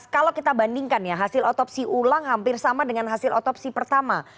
kalau kita bandingkan ya hasil otopsi ulang hampir sama dengan hasil otopsi pertama